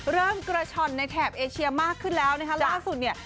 เริ่มกระช่อนในแถบเอเชียมากขึ้นแล้วนะคะล่าสุดเนี่ย